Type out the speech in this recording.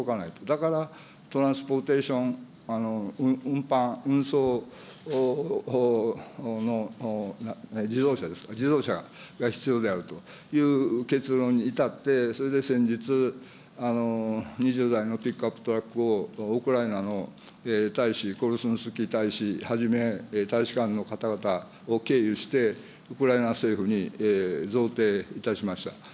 だからトランスポーテーション、運搬、運送の、自動車ですか、自動車が必要であるという結論に至って、それで先日、２０代のピックアップトラックをウクライナの大使、コルスンスキー大使はじめ、大使館の方々を経由して、ウクライナ政府に贈呈いたしました。